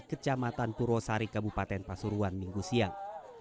kecamatan purwosari kabupaten pasuruan minggu siang